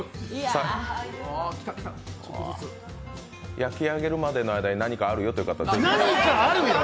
焼き上げるまでの間に何かあるよという方は。